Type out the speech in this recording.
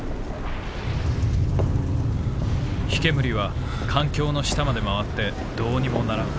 「火煙は艦橋の下まで廻ってどうにもならん。